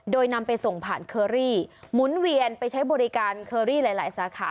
โดยนำไปส่งผ่านเคอรี่หมุนเวียนไปใช้บริการเคอรี่หลายสาขา